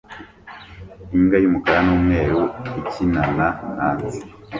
Imbwa y'umukara n'umweru ikina na hanze